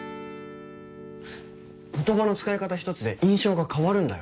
言葉の使い方一つで印象が変わるんだよ。